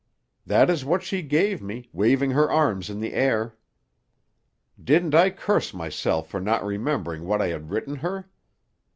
"That is what she gave me, waving her arms in the air. "Didn't I curse myself for not remembering what I had written her?